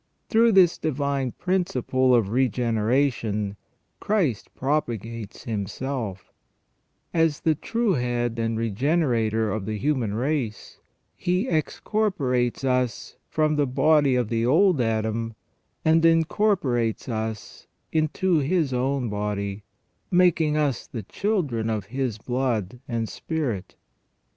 Through this divine principle of regeneration, Christ propagates Himself; as the true Head and Regenerator of the human race, He excorporates us from the body of the old Adam, and incorporates us into His own body, making us the children of His blood and spirit.